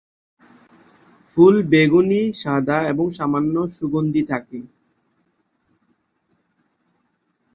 ফুল বেগুনি-সাদা এবং সামান্য সুগন্ধি থাকে।